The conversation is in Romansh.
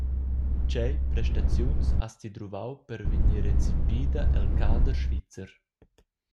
Tgei prestaziuns has Ti duvrau per vegnir recepida el cader svizzer?